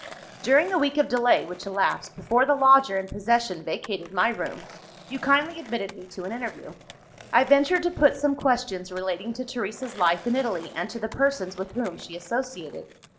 "During the week of delay which elapsed, before the lodger in possession vacated my room, you kindly admitted me to an interview. I ventured to put some questions, relating to Teresa's life in Italy and to the persons with whom she associated.